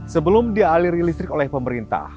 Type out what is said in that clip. sebelum dialiri listrik oleh pemerintah